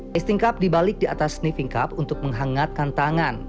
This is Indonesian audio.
tasting cup dibalik di atas sniffing cup untuk menghangatkan tangan